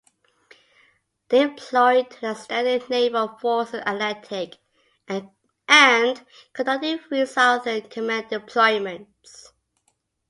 Deployed to the Standing Naval Forces Atlantic, and conducted three Southern Command Deployments.